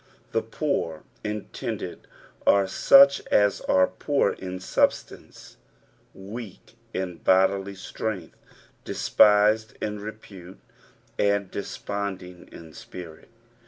The rMwr intended, are such as are poor in substance, wealc in bodily strength, despised in repute, and desponding in spirit.